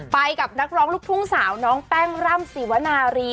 ไปกับนักร้องลูกทุ่งสาวน้องแป้งร่ำสีวนารี